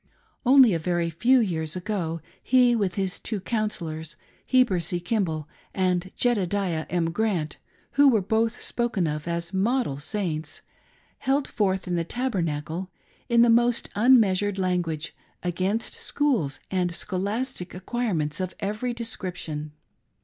Only a very few years ago he with his two " Counsellors," — Heber C. Kimball and Jedediah M. Grant, who were both spoken of as model Saints, — held forth in the Tabernacle, in the most unmeasured language, against schools and scholastic acquirements of every description.